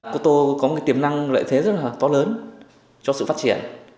cô tô có tiềm năng lợi thế rất to lớn cho sự phát triển